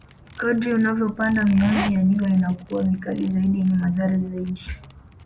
Kadri unavyopanda mionzi ya jua inakuwa mikali zaidi yenye madhara zaidi